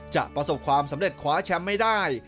ประสบความสำเร็จคว้าแชมป์ไม่ได้